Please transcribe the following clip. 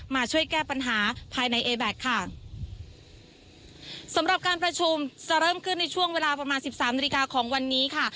มาช่วยแก้ปัญหาภายในเอแบ็คค่ะสำหรับการประชุมจะเริ่มขึ้นในช่วงเวลาประมาณสิบสามนาฬิกาของวันนี้ค่ะ